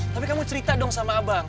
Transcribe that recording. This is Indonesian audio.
tapi kamu cerita dong sama abang